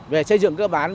về xây dựng cơ bản